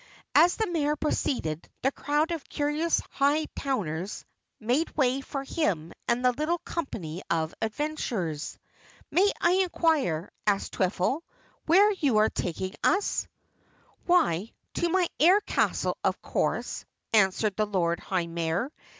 As the Mayor proceeded, the crowd of curious Hightowners made way for him and the little company of adventurers. "Might I inquire," asked Twiffle, "where you are taking us?" "Why, to my Air Castle, of course," answered the Lord High Mayor.